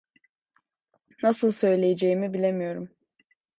Nasıl söyleyeceğimi bilemiyorum.